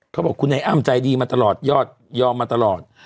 เขาบอกคุณไอ้อ้ำใจดีมาตลอดยอดยอมมาตลอด